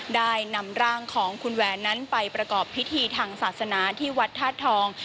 ได้นำร่างของคุณแหวนนั้นไปประกอบพิธีทางศาสนาที่วัดธาตุทอง